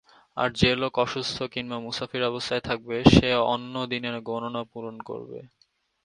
আর যে লোক অসুস্থ কিংবা মুসাফির অবস্থায় থাকবে সে অন্য দিনে গণনা পূরণ করবে।